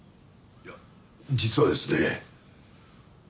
いや実はですね